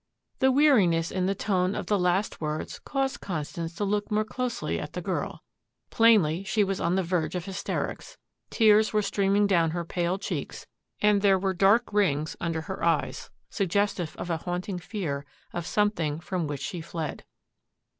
The weariness in the tone of the last words caused Constance to look more closely at the girl. Plainly she was on the verge of hysterics. Tears were streaming down her pale cheeks and there were dark rings under her eyes, suggestive of a haunting fear of something from which she fled.